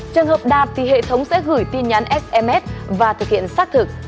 trường hợp đạt thì hệ thống sẽ gửi tin nhắn sms và thực hiện xác thực